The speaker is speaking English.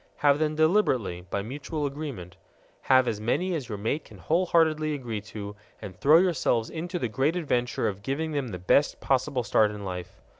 Have them deliberately, by mutual agreement. Have as many as your mate can wholeheartedly agree to, and throw yourselves into the great adventure of giving them the best possible start in life.